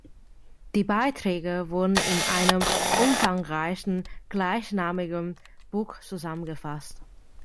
Die Beiträge wurden in einem umfangreichen gleichnamigen Buch zusammengefasst.